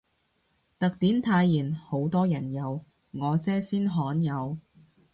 特典泰妍好多人有，我姐先罕有